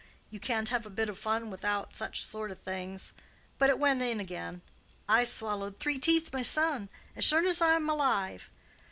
You can't have a bit o' fun wi'out such sort o' things. But it went in again. I's swallowed three teeth mysen, as sure as I'm alive.